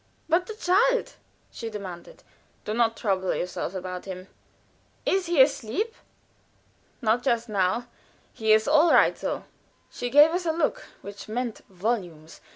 "But the child?" she demanded. "Do not trouble yourself about him." "Is he asleep?" "Not just now. He is all right, though." She gave us a look which meant volumes.